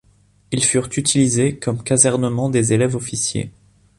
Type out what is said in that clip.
Ils furent utilisés comme casernements des élèves-officiers.